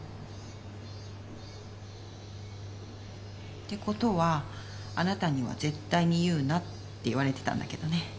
ってことはあなたには絶対に言うなって言われてたんだけどね。